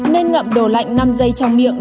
nên ngậm đồ lạnh năm giây trong miệng